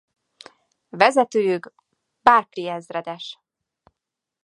Vezetőjük Barclay ezredes.